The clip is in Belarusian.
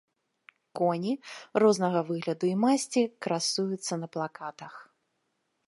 Коні, рознага выгляду і масці, красуюцца на плакатах.